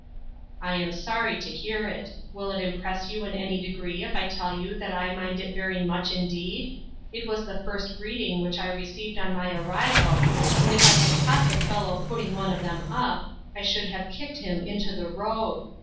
" I am sorry to hear it. Will it impress you in any degree if I tell you that I mind it very much indeed ? It was the first greeting which I received on my arrival, and if I had caught the fellow put ting one of them up, I should have kicked him into the road.